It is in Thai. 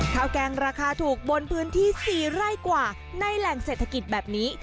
แกงราคาถูกบนพื้นที่๔ไร่กว่าในแหล่งเศรษฐกิจแบบนี้